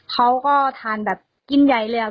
เขาก็ทานแบบกินใหญ่เลยอะ